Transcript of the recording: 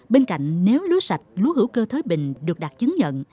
bên cạnh nếu lúa sạch lúa hữu cơ thới bình được đạt chứng nhận